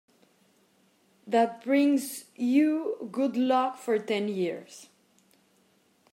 That brings you good luck for ten years.